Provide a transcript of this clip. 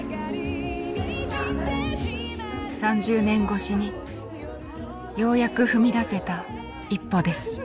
３０年越しにようやく踏み出せた一歩です。